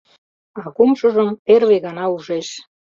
А кумшыжым первый гана ужеш.